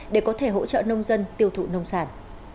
để có thể hỗ trợ nông dân tiêu thụ nông sản